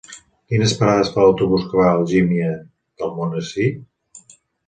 Quines parades fa l'autobús que va a Algímia d'Almonesir?